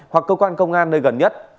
hoặc cơ quan công an nơi gần nhất